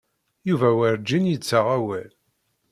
Yuba werǧin yettaɣ awal.